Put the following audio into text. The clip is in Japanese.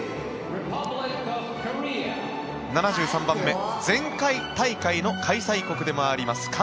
７３番目、前回大会の開催国でもあります